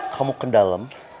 kamu ke dalam